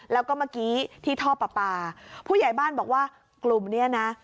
แล้วก็เมื่อกี้ที่ท่อปลาปลาผู้ใหญ่บ้านบอกว่ากลุ่มเนี้ยนะ